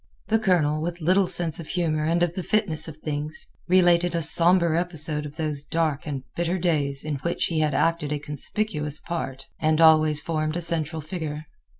The Colonel, with little sense of humor and of the fitness of things, related a somber episode of those dark and bitter days, in which he had acted a conspicuous part and always formed a central figure.